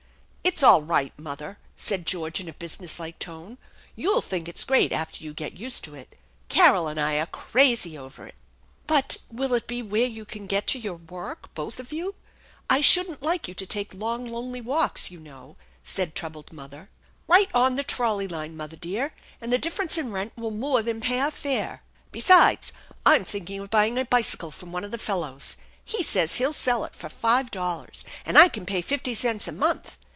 "If s all right, mother," said George in a businesslike tone. "You'll think it's great after you get used to it Carol and I are crazy over it" THE ENCHANTED BARN 105 But will it be where you can get to your work, both of yon? I shouldn't like you to take long, lonely walks, you know/' said the troubled mother. "Right on the trolley line, mother dear; and the differ ence in rent will more than pay our fare." "Besides, I'm thinking of buying a bicycle from one of the fellows. He says he'll sell it for five dollars, and I can pay fifty cents a month.